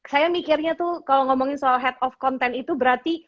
saya mikirnya tuh kalau ngomongin soal head of content itu berarti